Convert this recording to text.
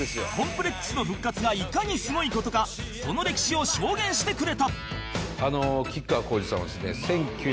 ＣＯＭＰＬＥＸ の復活がいかにすごい事かその歴史を証言してくれた